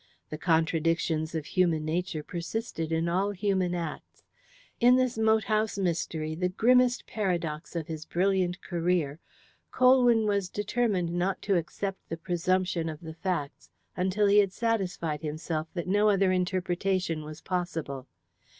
The contradictions of human nature persisted in all human acts. In this moat house mystery, the grimmest paradox of his brilliant career, Colwyn was determined not to accept the presumption of the facts until he had satisfied himself that no other interpretation was possible.